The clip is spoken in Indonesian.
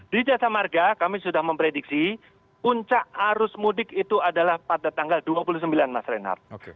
di jasa marga kami sudah memprediksi puncak arus mudik itu adalah pada tanggal dua puluh sembilan mas reinhardt